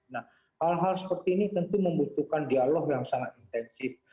nah hal hal seperti ini tentu membutuhkan dialog yang sangat intensif